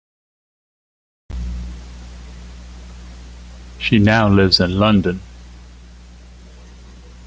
She now lives in London.